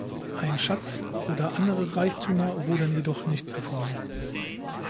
Ein Schatz oder andere Reichtümer wurden jedoch nicht gefunden.